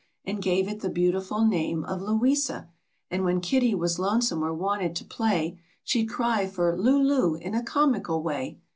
And gave it the beautiful name of Louisa, And when Kitty was lonesome or wanted to play, She'd cry for Loo ! Loo ! in a comical way.